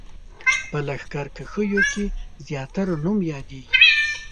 په لښکرکښیو کې زیاتره نوم یادېږي.